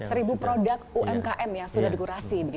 seribu produk umkm yang sudah dikurasi